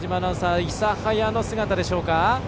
諫早の姿でしょうか。